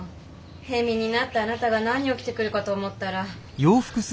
平民になったあなたが何を着てくるかと思ったら。